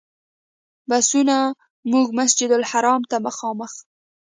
بسونو موږ مسجدالحرام ته مخامخ.